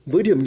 với điểm nhấn